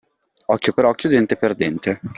Occhio per occhio, dente per dente.